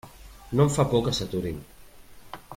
No em fa por que s'aturin.